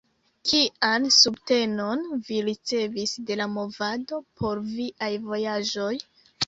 Kian subtenon vi ricevis de la movado por viaj vojaĝoj?